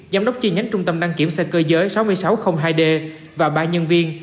giám đốc chi nhánh trung tâm đăng kiểm xe cơ giới sáu nghìn sáu trăm linh hai d và ba nhân viên